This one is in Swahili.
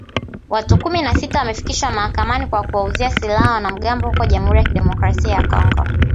Watu kumi na sita wamefikishwa mahakamani kwa kuwauzia silaha wanamgambo huko Jamuri ya Kidemokrasia ya Kongo